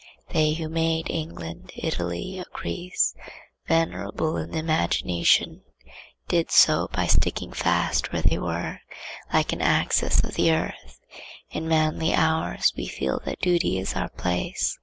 They who made England, Italy, or Greece venerable in the imagination did so by sticking fast where they were, like an axis of the earth. In manly hours we feel that duty is our place.